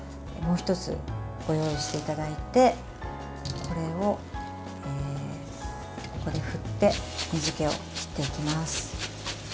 １つご用意していただいてこれを、ここで振って水けを切っていきます。